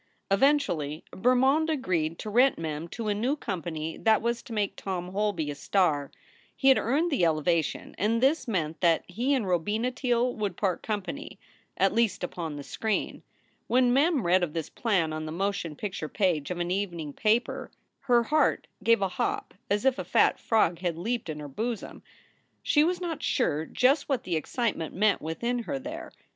Eventually, Bermond agreed to rent Mem to a new company that was to make Tom Holby a star. He had earned the elevation, and this meant that he and Robina Teele would part company at least upon the screen. When Mem read of this plan on the motion picture page of an evening paper her heart gave a hop, as if a fat frog had leaped in her bosom. She was not sure just what the excitement meant within her there.